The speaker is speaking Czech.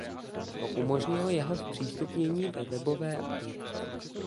To umožnilo jeho zpřístupnění ve webové aplikaci.